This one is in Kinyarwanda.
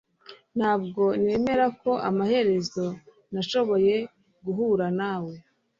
Ntabwo nemera ko amaherezo nashoboye guhura nawe